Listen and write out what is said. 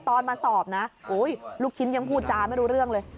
ตอนมาสอบนะลูกชิ้นยังพูดจาไม่รู้เรื่องเลย